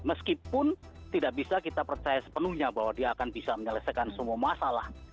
meskipun tidak bisa kita percaya sepenuhnya bahwa dia akan bisa menyelesaikan semua masalah